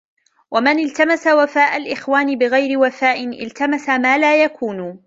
وَمَنْ الْتَمَسَ وَفَاءَ الْإِخْوَانِ بِغَيْرِ وَفَاءٍ الْتَمَسَ مَا لَا يَكُونُ